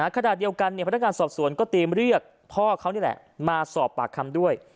ขณะเดียวกันพนักงานสอบสวนก็เตรียมเรียกพ่อเขานี่แหละมาสอบปากคำด้วย